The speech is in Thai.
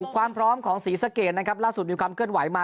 ความพร้อมของศรีสะเกดนะครับล่าสุดมีความเคลื่อนไหวมา